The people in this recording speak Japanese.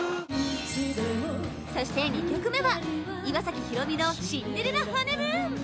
そして２曲目は岩崎宏美の「シンデレラ・ハネムーン」